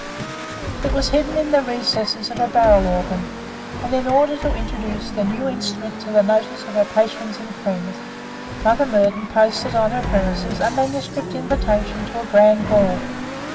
It was hidden in the recesses of a barrel organ; and, in order to introduce the new instrument to the notice of her patrons and friends, Mother Murden posted on her premises a manuscript invitation to a grand ball.